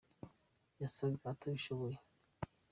Yasaza atabishoje.